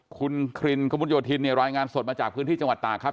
คุณครินกระมุดโยธินเนี่ยรายงานสดมาจากพื้นที่จังหวัดตากครับ